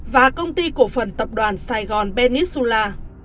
và công ty cổ phần tập đoàn sài gòn benisula